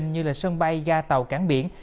như là sân bay ga tàu cảng biển